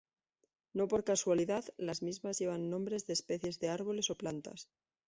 No por casualidad, las mismas llevan nombres de especies de árboles o plantas.